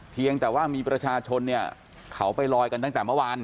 เพียงแต่ว่ามีประชาชนเนี่ยเขาไปลอยกันตั้งแต่เมื่อวาน